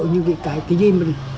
như cái gì mà